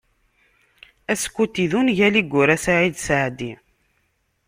"Askuti" d ungal i yura Saɛid Saɛdi.